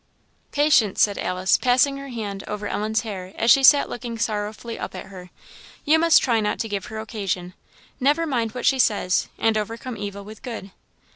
"Patience!" said Alice, passing her hand over Ellen's hair as she sat looking sorrowfully up at her. "You must try not to give her occasion. Never mind what she says, and overcome evil with good."